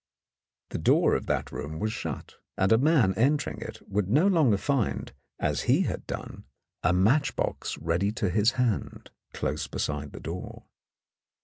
The door of that room was shut, and a man entering it would no longer find, as he had done, a match box ready to his hand, close beside the door.